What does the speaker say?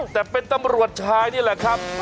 แต่เป็นตำรวจชายนี่แหละครับ